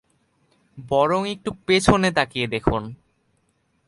বরং একটু পেছনে তাকিয়ে দেখুন।